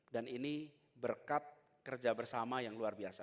dan ini berkat kerja bersama yang luar biasa